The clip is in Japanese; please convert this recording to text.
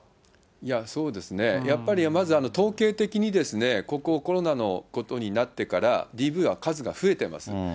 いや、そうですね、やっぱりまず統計的に、ここ、コロナのことになってから、ＤＶは数が増えてます。